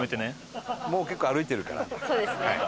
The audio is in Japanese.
そうですね。